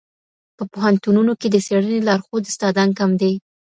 په پوهنتونونو کي د څېړني لارښود استادان کم دي.